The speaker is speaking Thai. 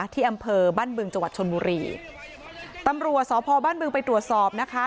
ที่อำเภอบ้านบึงจังหวัดชนบุรีตำรวจสพบ้านบึงไปตรวจสอบนะคะ